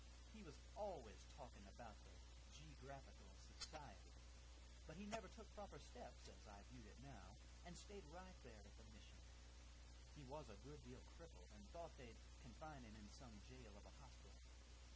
He was always talking about the Ge'graphical Society, but he never took proper steps, as I viewed it now, and stayed right there at the mission. He was a good deal crippled, and thought they'd confine him in some jail of a hospital.